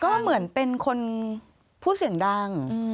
ก็เหมือนเป็นคนพูดเสียงดัง